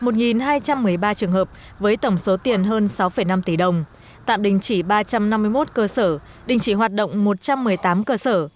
một hai trăm một mươi ba trường hợp với tổng số tiền hơn sáu năm tỷ đồng tạm đình chỉ ba trăm năm mươi một cơ sở đình chỉ hoạt động một trăm một mươi tám cơ sở